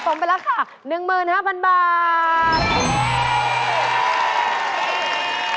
ไปแล้วค่ะ๑๕๐๐๐บาท